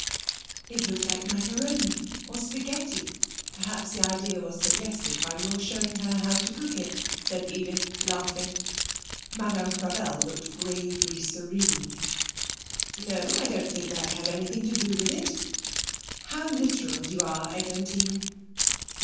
'It looks like macaroni, or spaghetti. Perhaps the idea was suggested by your showing her how to cook it,' said Edith, laughing. Madame Frabelle looked gravely serene. 'No I don't think that had anything to do with it.' 'How literal you are, Eglantine!'